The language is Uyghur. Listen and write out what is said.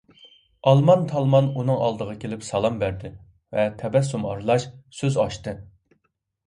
ئالمان - تالمان ئۇنىڭ ئالدىغا كېلىپ سالام بەردى ۋە تەبەسسۇم ئارىلاش سۆز ئاچتى: